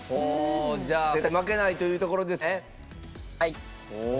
じゃあ、絶対負けないというところですね。